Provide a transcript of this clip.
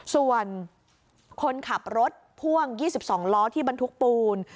ส่วนคนขับรถพ่วง๒๒ล้อที่บรรทุกปูน